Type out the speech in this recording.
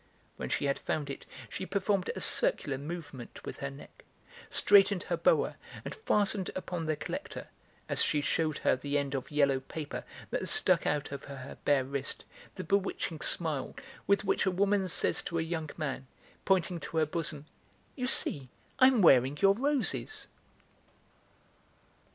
When she had found it, she performed a circular movement with her neck, straightened her boa, and fastened upon the collector, as she shewed her the end of yellow paper that stuck out over her bare wrist, the bewitching smile with which a woman says to a young man, pointing to her bosom: "You see, I'm wearing your roses!"